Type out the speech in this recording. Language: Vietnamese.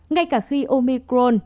ngay cả khi omicron